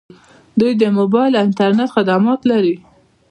دوی د موبایل او انټرنیټ خدمات لري.